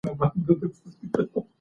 اتل و خو يو علت يې درلودی .